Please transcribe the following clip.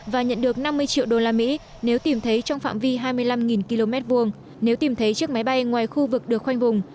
và nhận được năm mươi triệu đô la mỹ nếu tìm thấy trong phạm vi hai mươi năm km hai nếu tìm thấy chiếc máy bay ngoài khu vực được khoanh vùng